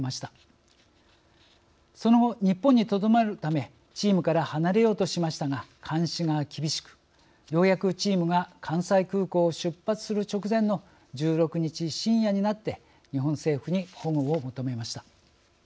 その後日本にとどまるためチームから離れようとしましたが監視が厳しくようやくチームが関西空港を出発する直前の１６日深夜になって日本政府に保護を求めました。